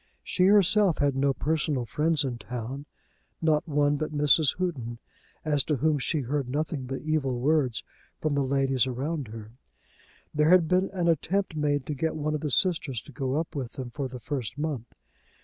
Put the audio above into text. She herself had no personal friends in town, not one but Mrs. Houghton, as to whom she heard nothing but evil words from the ladies around her. There had been an attempt made to get one of the sisters to go up with them for the first month.